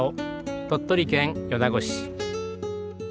鳥取県米子市。